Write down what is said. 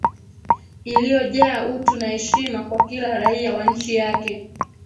iliyojaa utu na heshima kwa kila raia wa nchi yake